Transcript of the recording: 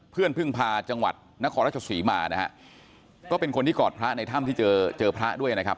พึ่งพาจังหวัดนครราชศรีมานะฮะก็เป็นคนที่กอดพระในถ้ำที่เจอเจอพระด้วยนะครับ